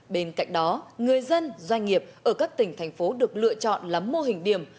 bên cạnh đó người dân doanh nghiệp ở các tỉnh thành phố được lựa chọn lắm mô hình điểm